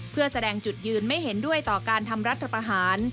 เพื่อแสดงจุดยืนไม่เห็นด้วยต่อการทำรัฐประหาร